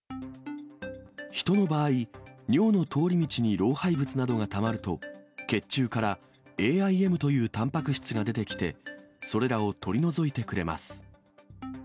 ヒトの場合、尿の通り道に老廃物などがたまると血中からＡＩＭというたんぱく質が出てきて、それらを取り除いてくれます。